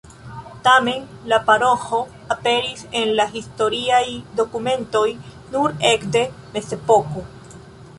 Tamen, la paroĥo aperis en la historiaj dokumentoj nur ekde Mezepoko.